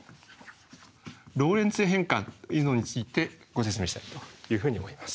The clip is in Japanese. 「ローレンツ変換」というのについてご説明したいというふうに思います。